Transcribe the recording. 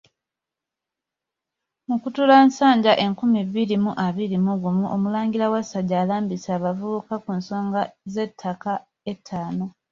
Mukutulansanja enkumi bbiri mu abiri mu gumu, Omulangira Wasajja alambise abavubuka ku nsonga z'ettaka ettaano.